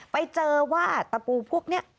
ไปเจอว่าตะปูพวกนี้